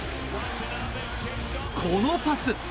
このパス。